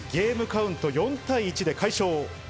ゲームカウント４対１で快勝。